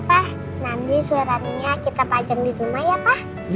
nanti suratnya kita pajang di rumah ya pak